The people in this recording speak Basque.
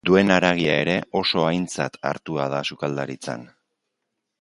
Duen haragia ere oso aintzat hartua da sukaldaritzan.